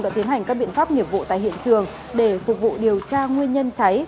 đã tiến hành các biện pháp nghiệp vụ tại hiện trường để phục vụ điều tra nguyên nhân cháy